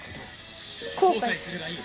後悔するがいい